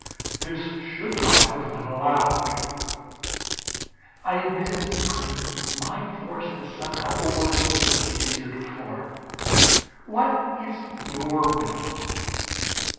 "This should not have been allowed!" "I admit it, Supreme; my force has somehow overlooked their case, heretofore. What is your will?"